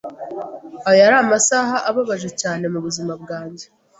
Ayo yari amasaha ababaje cyane mubuzima bwanjye.